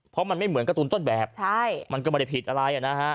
เพราะมันไม่เหมือนการ์ตูนต้นแบบมันก็ไม่ได้ผิดอะไรนะฮะ